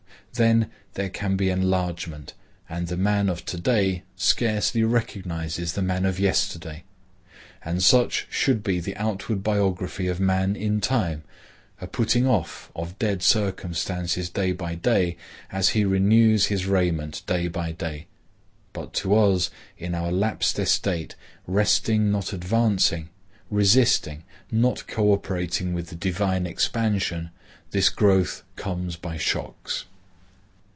Then there can be enlargement, and the man of to day scarcely recognizes the man of yesterday. And such should be the outward biography of man in time, a putting off of dead circumstances day by day, as he renews his raiment day by day. But to us, in our lapsed estate, resting, not advancing, resisting, not cooperating with the divine expansion, this growth comes by shocks.